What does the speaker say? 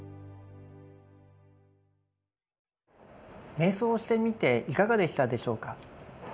瞑想をしてみていかがでしたでしょうか？